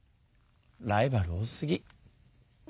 ライバル多すぎ。